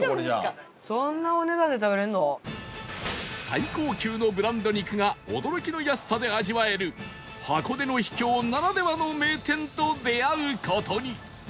最高級のブランド肉が驚きの安さで味わえる箱根の秘境ならではの名店と出会う事に